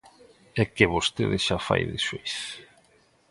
É que vostede xa fai de xuíz.